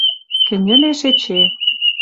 Кӹньӹлеш эче.